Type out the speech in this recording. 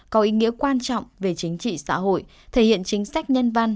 có ý nghĩa quan trọng về chính trị xã hội thể hiện chính sách nhân văn